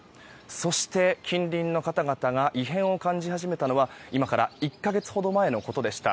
そして、近隣の方々が異変を感じ始めたのが今から１か月ほど前のことでした。